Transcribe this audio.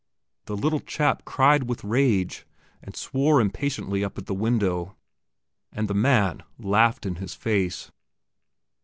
The little chap cried with rage, and swore impatiently up at the window; and the man laughed in his face.